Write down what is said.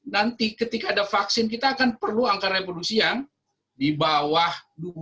nanti ketika ada vaksin kita akan perlu angka reproduksi yang di bawah dua puluh